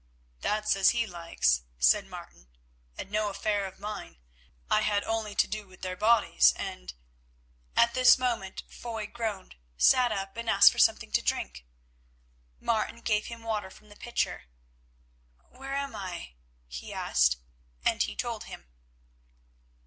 "That's as He likes," said Martin, "and no affair of mine; I had only to do with their bodies and—" At this moment Foy groaned, sat up and asked for something to drink. Martin gave him water from the pitcher. "Where am I?" he asked, and he told him.